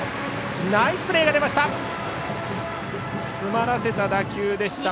ナイスプレーが出ました！